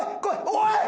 おい！